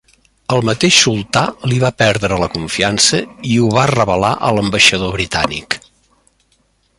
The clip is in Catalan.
El mateix sultà li va perdre la confiança i ho va revelar a l'ambaixador britànic.